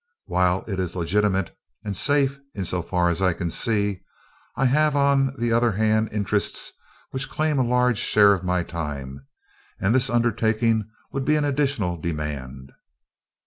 While it is legitimate and safe, in so far as I can see, I have on the other hand interests which claim a large share of my time, and this undertaking would be an additional demand.